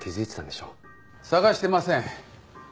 捜してません。